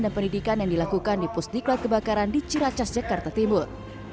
dan pendidikan yang dilakukan di pusdiklat kebakaran di ciracas jakarta timur